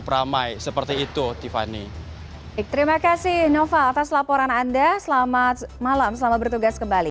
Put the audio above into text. hai terima kasih nova atas laporan anda selamat malam selamat bertugas kembali